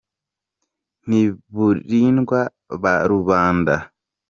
Ntiburindwa ba Rubanda